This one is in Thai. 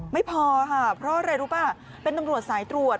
ไม่พอค่ะเพราะอะไรรู้ป่ะเป็นตำรวจสายตรวจ